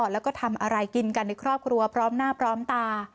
แล้วก็ทำอะไรกินกันในครอบครัวพร้อมหน้าพร้อมตา